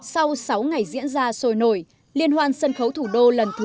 sau sáu ngày diễn ra sôi nổi liên hoan sân khấu thủ đô lần thứ ba